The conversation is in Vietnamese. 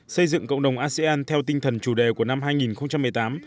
xây dựng cộng đồng asean theo tinh thần chủ đề của năm hai nghìn một mươi tám